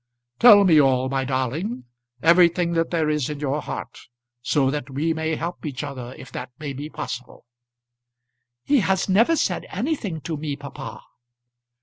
"Tell me all, my darling; everything that there is in your heart, so that we may help each other if that may be possible." "He has never said anything to me, papa."